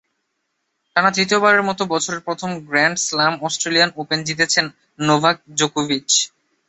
টানা তৃতীয়বারের মতো বছরের প্রথম গ্র্যান্ড স্লাম অস্ট্রেলিয়ান ওপেন জিতেছেন নোভাক জোকোভিচ।